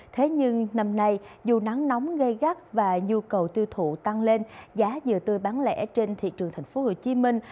thế nhưng năm nay dù nắng nóng gây gắt và nhu cầu tiêu thụ tăng lên giá dừa tươi bán lẻ trên thị trường thành phố hồ chí minh